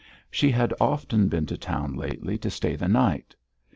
She had often been to town lately to stay the night.